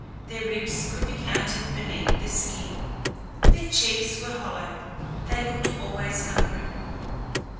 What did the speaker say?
Their ribs could be counted beneath the skin; their cheeks were hollow; they looked always hungry.